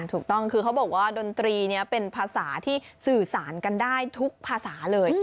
ถูกต้องคือเขาบอกว่าดนตรีนี้เป็นภาษาที่สื่อสารกันได้ทุกภาษาเลย